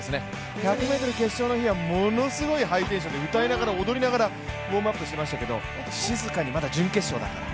１００ｍ決勝の日はものすごいハイテンションで歌いながら踊りながらウォームアップしてましたから静かにまだ準決勝だから。